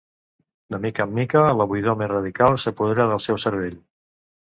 De mica en mica la buidor més radical s'apodera del seu cervell.